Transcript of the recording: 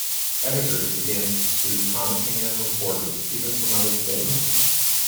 Editors began to pursue promising young reporters, even from other states.